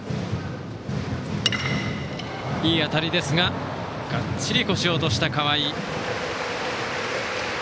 いい当たりですががっちり腰を落とした河合。